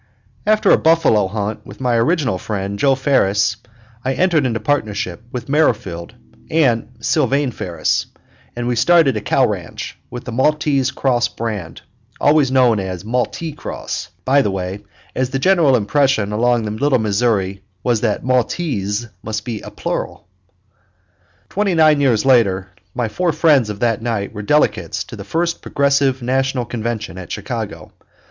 After a buffalo hunt with my original friend, Joe Ferris, I entered into partnership with Merrifield and Sylvane Ferris, and we started a cow ranch, with the maltese cross brand always known as "maltee cross," by the way, as the general impression along the Little Missouri was that "maltese" must be a plural. Twenty nine years later my four friends of that night were delegates to the First Progressive National Convention at Chicago.